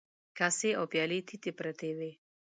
کاسې او پيالې تيت پرتې وې.